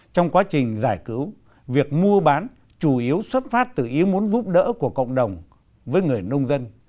trong quá trình giải cứu việc mua bán chủ yếu xuất phát từ ý muốn giúp đỡ của cộng đồng với người nông dân